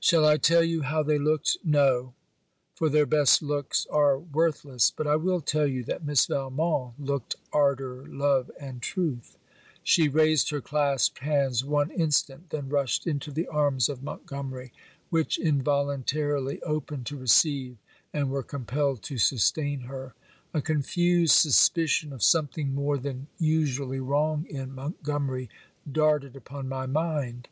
Shall I tell you how they looked? No! for their best looks are worthless! But I will tell you that Miss Valmont looked ardor love and truth. She raised her clasped hands one instant, then rushed into the arms of Montgomery, which involuntarily opened to receive and were compelled to sustain her. A confused suspicion of something more than usually wrong in Montgomery darted upon my mind.